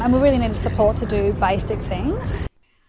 dan kami benar benar butuh sokongan untuk melakukan hal hal asas